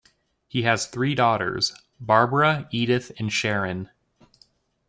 He has three daughters: Barbara, Edith and Sharon.